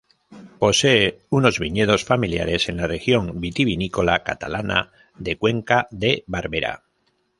Posee unos viñedos familiares en la región vitivinícola catalana de Cuenca de Barberá.